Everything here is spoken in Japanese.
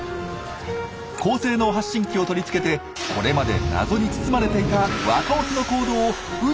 高性能発信機を取り付けてこれまで謎に包まれていた若オスの行動を宇宙から徹底追跡。